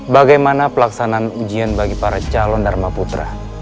bagaimana pelaksanaan ujian bagi para calon dharma putra